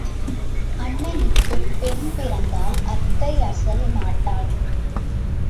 அண்ணனுக்குப் பெண் பிறந்தால் அத்தை அசல் நாட்டாள்.